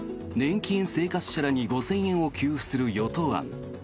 年金生活者らに５０００円を給付する与党案。